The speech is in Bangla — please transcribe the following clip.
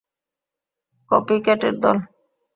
কপি ক্যাটের দল!